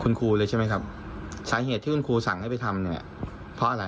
คุณครูเลยใช่ไหมครับสาเหตุที่คุณครูสั่งให้ไปทำเนี่ยเพราะอะไร